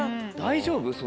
大丈夫？